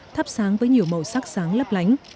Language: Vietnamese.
thắp sáng với nhiều màu sắc sáng lấp lánh